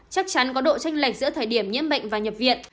chắc chắn có độ tranh lệch giữa thời điểm nhiễm bệnh và nhập viện